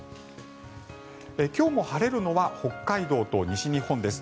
今日も晴れるのは北海道と西日本です。